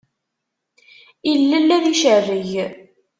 Illel ad icerreg.